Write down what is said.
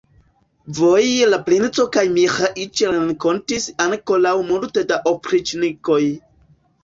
Voje la princo kaj Miĥeiĉ renkontis ankoraŭ multe da opriĉnikoj.